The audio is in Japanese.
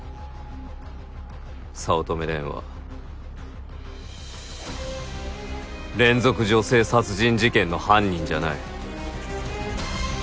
早乙女蓮は連続女性殺人事件の犯人じゃない。